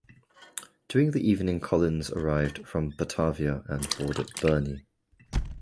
During the evening Collins arrived from Batavia and boarded "Burnie".